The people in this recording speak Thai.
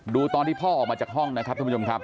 ดูตอนที่พ่อออกมาจากห้องนะครับท่านผู้ชมครับ